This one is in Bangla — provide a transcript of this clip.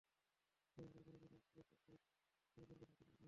সদর হাসপাতালের মর্গে ময়নাতদন্ত শেষে তাঁর লাশ স্বজনদের কাছে হস্তান্তর করা হয়েছে।